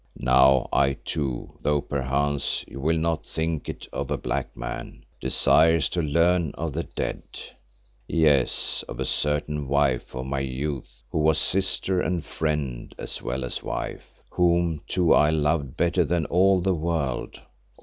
Now I too, though perchance you will not think it of a black man, desire to learn of the dead; yes, of a certain wife of my youth who was sister and friend as well as wife, whom too I loved better than all the world.